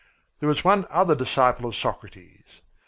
There was one other disciple of Socrates.